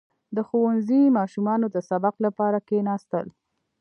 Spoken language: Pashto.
• د ښوونځي ماشومانو د سبق لپاره کښېناستل.